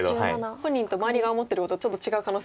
本人と周りが思ってることちょっと違う可能性が。